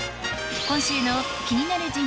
今週の気になる人物